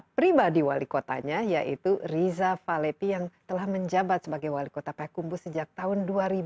pribadi wali kotanya yaitu riza falepi yang telah menjabat sebagai wali kota payakumbuh sejak tahun dua ribu dua belas